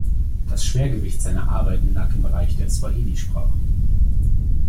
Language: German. Das Schwergewicht seiner Arbeiten lag im Bereich der Swahili-Sprache.